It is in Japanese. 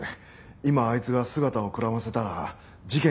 今あいつが姿をくらませたら事件が潰れます。